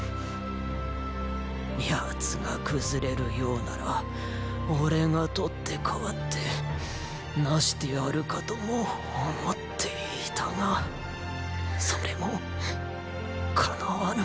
奴が崩れるようなら俺がとって代わって成してやるかとも思っていたがそれも叶わぬ。